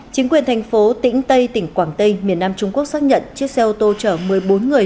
chính quyền thành phố tĩnh tây tỉnh quảng tây miền nam trung quốc xác nhận chiếc xe ô tô chở một mươi bốn người